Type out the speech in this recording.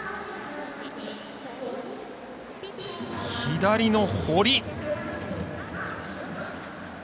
左の堀。